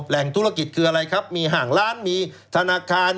แหล่งธุรกิจคืออะไรครับมีห่างร้านมีธนาคาร